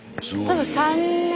多分３年。